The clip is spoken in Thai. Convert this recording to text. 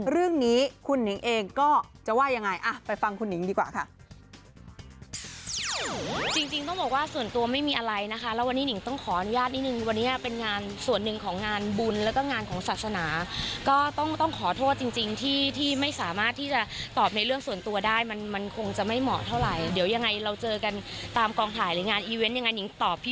เรื่องนี้คุณหญิงเองก็จะว่ายังไง